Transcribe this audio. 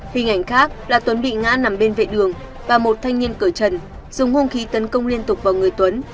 hình ảnh khác là tuấn bị ngã nằm bên vệ đường và một thanh niên cỡ trần dùng hung khí tấn công liên tục vào người tuấn